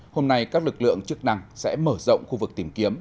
hôm nay các lực lượng chức năng sẽ mở rộng khu vực tìm kiếm